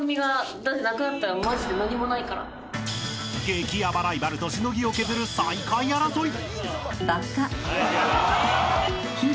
［激ヤバライバルとしのぎを削る最下位争い］